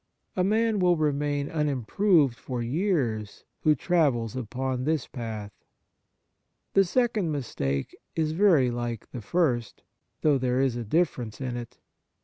A man will remain unimproved for years who travels upon this path. The second mistake is very like the first, though there is a difference in it.